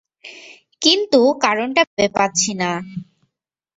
কিন্তু কারণটা ভেবে পাচ্ছি না।